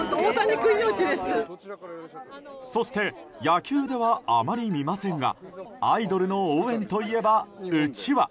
そして野球ではあまり見ませんがアイドルの応援といえばうちわ。